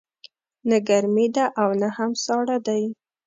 نه ګرمې ده او نه هم ساړه دی